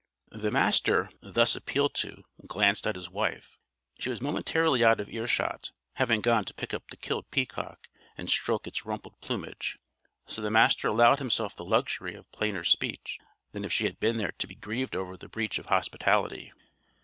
The Master, thus appealed to, glanced at his wife. She was momentarily out of ear shot, having gone to pick up the killed peacock and stroke its rumpled plumage. So the Master allowed himself the luxury of plainer speech than if she had been there to be grieved over the breach of hospitality.